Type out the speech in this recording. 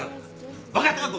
分かったか！